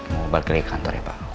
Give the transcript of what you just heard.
mau balik lagi ke kantor ya pak